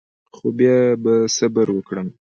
خو بیا به صبر وکړم.